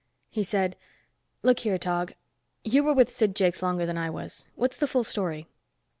He said, "Look here, Tog, you were with Sid Jakes longer than I was. What's the full story?"